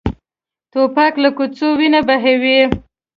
توپک له کوڅو وینه بهوي.